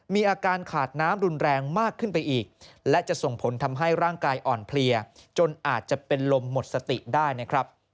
มีอาการขาดน้ำรุนแรงมากขึ้นไปอีกและจะส่งผลทำให้ร่างกายอ่อนเพลียจนอาจจะเป็นลมหมดสติได้นะครับ